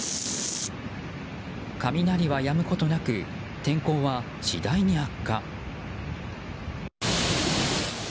雷はやむことなく天候は次第に悪化。